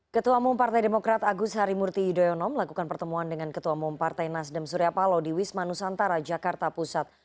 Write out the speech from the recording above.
ketua mumpartai demokrat agus harimurti yudhoyonom lakukan pertemuan dengan ketua mumpartai nasdem suryapalo di wisma nusantara jakarta pusat